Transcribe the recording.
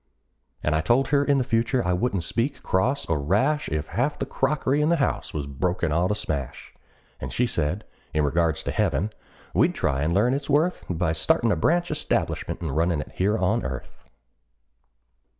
And I told her in the future I wouldn't speak cross or rash If half the crockery in the house was broken all to smash; And she said, in regards to heaven, we'd try and learn its worth By startin' a branch establishment and runnin' it here on earth.